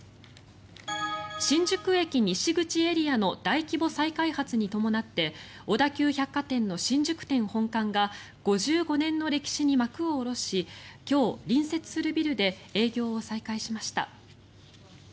新宿駅西口エリアの大規模再開発に伴って小田急百貨店の新宿店本館が５５年の歴史に幕を下ろし今日、隣接するビルで営業を再開しました。